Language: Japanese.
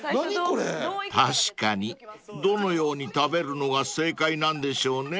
［確かにどのように食べるのが正解なんでしょうね］